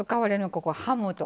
ここハムとかね